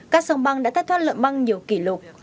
các sông băng đã tách thoát lợi băng nhiều kỷ lục